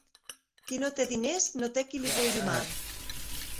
Qui no té diners, no té qui li vulgui mal.